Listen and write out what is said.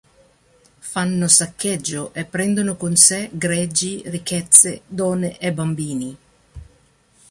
Fanno saccheggio e prendono con sé greggi, ricchezze, donne e bambini.